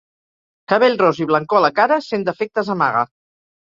Cabell ros i blancor a la cara cent defectes amaga.